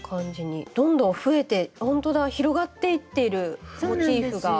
どんどん増えてほんとだ広がっていっているモチーフが。